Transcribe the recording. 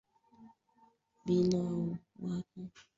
Iliyokuwa ikiendelea kwa muda mrefu baina ya mataifa ya Kibepari